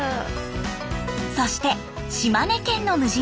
そして島根県の無人島へ。